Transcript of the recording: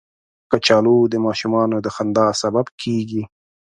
کچالو د ماشومانو د خندا سبب کېږي